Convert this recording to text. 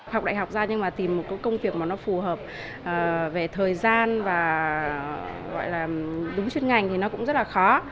học đại học ra nhưng mà tìm một công việc phù hợp về thời gian và đúng chuyên ngành thì nó cũng rất là khó